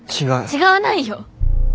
違わないよ。